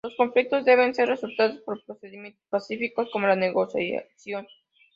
Los conflictos deben ser resueltos por procedimientos pacíficos, como la negociación.